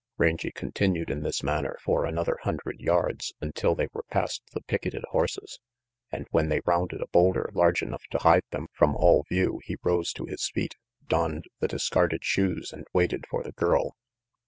Rangy continued in this manner for another hundred yards until they were past the picketed horses, and when they rounded a boulder large enough to hide them from all view he rose to his feet, donned the discarded shoes and waited for the girl.